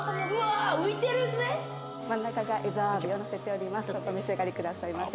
お召し上がりくださいませ。